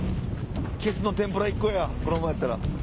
キスの天ぷら１個やこのままやったら。